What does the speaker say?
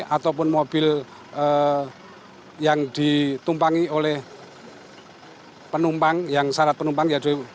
ataupun mobil yang ditumpangi oleh penumpang yang syarat penumpang